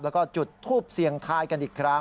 แล้วก็จุดทูปเสียงทายกันอีกครั้ง